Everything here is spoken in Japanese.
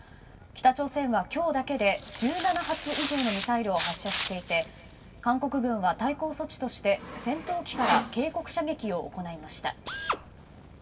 北朝鮮は今日だけで１７発以上のミサイルを発射していて韓国軍は対抗措置として戦闘機から警告射撃を行いました。